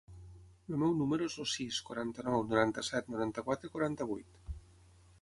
El meu número es el sis, quaranta-nou, noranta-set, noranta-quatre, quaranta-vuit.